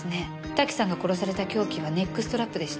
瀧さんが殺された凶器はネックストラップでした。